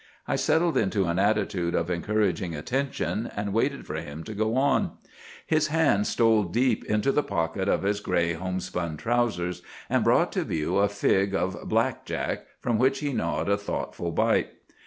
I settled into an attitude of encouraging attention, and waited for him to go on. His hand stole deep into the pocket of his gray homespun trousers, and brought to view a fig of 'black jack,' from which he gnawed a thoughtful bite.